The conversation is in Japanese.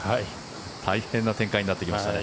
大変な展開になってきましたね。